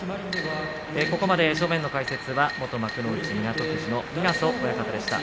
ここまで正面の解説は元幕内湊富士の湊親方でした。